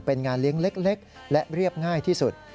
เป็นงานเลี้ยงเล็กและเรียบง่ายที่สุด